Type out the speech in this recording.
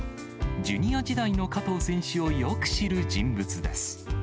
ジュニア時代の加藤選手をよく知る人物です。